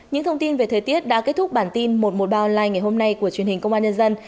những thông tin về thời tiết đã kết thúc bản tin một trăm một mươi ba online ngày hôm nay của truyền hình công an nhân dân